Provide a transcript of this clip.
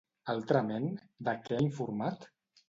Altrament, de què ha informat?